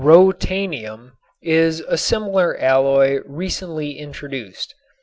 "Rhotanium" is a similar alloy recently introduced.